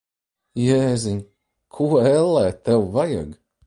Jēziņ! Ko, ellē, tev vajag?